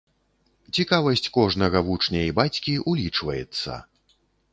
Цікавасць кожнага вучня і бацькі улічваецца!